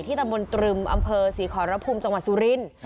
ที่ตะบนตรึมอำเภอศรีขรณภูมิจังหวัดสุรินทร์